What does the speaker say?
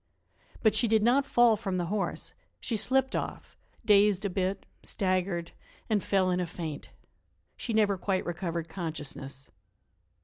But she did not fall from the horse; she slipped off, dazed a bit, staggered and fell in a faint. She never quite recovered consciousness.